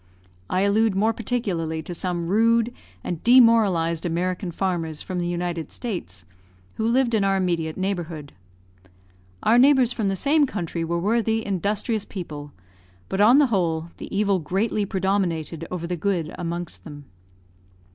I allude more particularly to some rude and demoralised American farmers from the United States, who lived in our immediate neighbourhood. Our neighbours from the same country were worthy, industrious people; but, on the whole, the evil greatly predominated over the good amongst them.